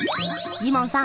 ジモンさん